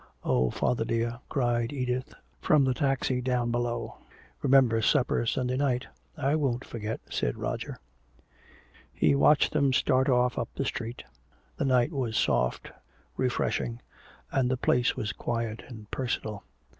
"Oh, father dear," cried Edith, from the taxi down below. "Remember supper Sunday night " "I won't forget," said Roger. He watched them start off up the street. The night was soft, refreshing, and the place was quiet and personal.